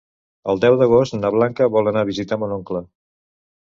El deu d'agost na Blanca vol anar a visitar mon oncle.